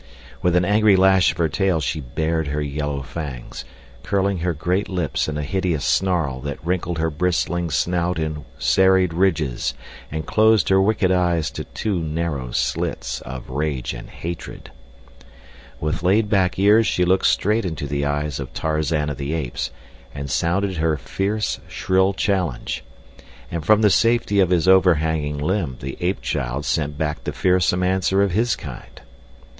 With an angry lash of her tail she bared her yellow fangs, curling her great lips in a hideous snarl that wrinkled her bristling snout in serried ridges and closed her wicked eyes to two narrow slits of rage and hatred. With back laid ears she looked straight into the eyes of Tarzan of the Apes and sounded her fierce, shrill challenge. And from the safety of his overhanging limb the ape child sent back the fearsome answer of his kind.